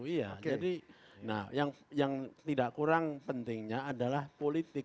jadi yang tidak kurang pentingnya adalah politik